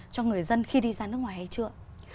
cho người dân khi đi ra nước ngoài hay chưa